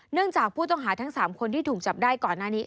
เนื่องจากผู้ต้องหาทั้ง๓คนที่ถูกจับได้ก่อนหน้านี้